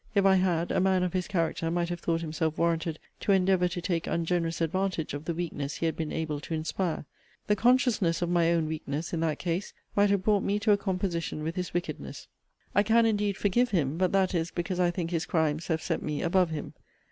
If I had, a man of his character might have thought himself warranted to endeavour to take ungenerous advantage of the weakness he had been able to inspire. The consciousness of my own weakness (in that case) might have brought me to a composition with his wickedness. I can indeed forgive him. But that is, because I think his crimes have set me above him.